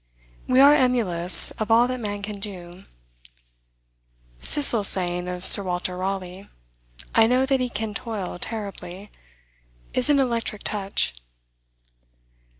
We are emulous of all that man can do. Cecil's saying of Sir Walter Raleigh, "I know that he can toil terribly," is an electric touch.